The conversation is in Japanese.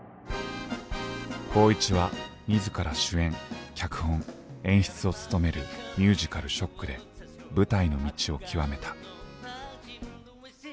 光一は自ら主演脚本演出を務めるミュージカル「ＳＨＯＣＫ」で舞台の道を究めた。